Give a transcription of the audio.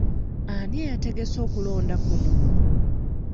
Ani yategese okulonda kuno?